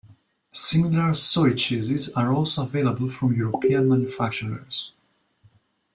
Similar soy cheeses are also available from European manufacturers.